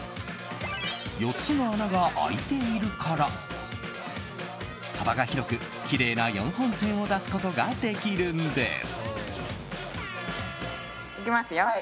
４つの穴が開いているから幅が広く、きれいな４本線を出すことができるんです。